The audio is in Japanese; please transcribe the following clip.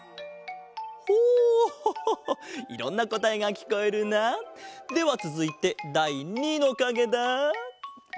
ほういろんなこたえがきこえるな。ではつづいてだい２のかげだ。